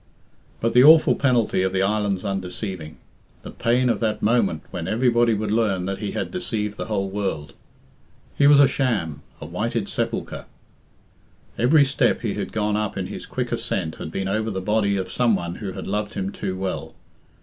But the awful penalty of the island's undeceiving! The pain of that moment when everybody would learn that he had deceived the whole world! He was a sham a whited sepulchre. Every step he had gone up in his quick ascent had been over the body of some one who had loved him too well.